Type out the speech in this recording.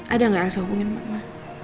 ada gak elsa hubungin mama